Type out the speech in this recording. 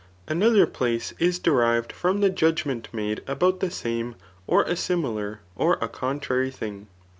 Another place is derived from the judgment made about the same, or a similar, or a contrary thing.